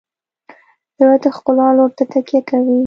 زړه د ښکلا لور ته تکیه کوي.